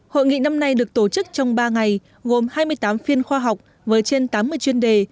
hội nghị năm nay được tổ chức trong ba ngày gồm hai mươi tám phiên khoa học với trên tám mươi chuyên đề